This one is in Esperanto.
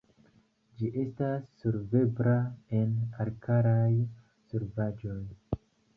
Ĝi estas solvebla en alkalaj solvaĵoj.